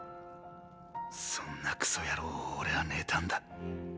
そんなクソ野郎を俺は妬んだ。